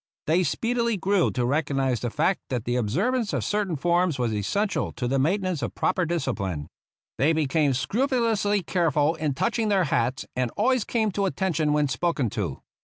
They speedily grew to recognize the fact that the observance of certain forms was essential to the maintenance of proper discipline. They became scrupulously careful in touching their hats, and always came to attention when spoken to.